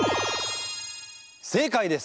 正解です！